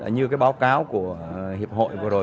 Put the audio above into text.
như báo cáo của hiệp hội vừa rồi